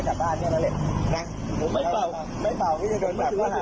งั้นพี่ไปนั่งโต๊ะ